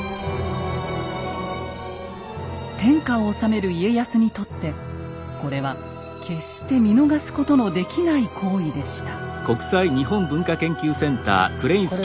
天下を治める家康にとってこれは決して見逃すことのできない行為でした。